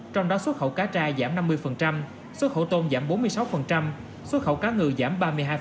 trong đó xuất khẩu cá tra giảm năm mươi xuất khẩu tôm giảm bốn mươi sáu xuất khẩu cá ngừ giảm ba mươi hai